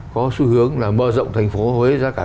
có xu hướng là mơ rộng thành phố huế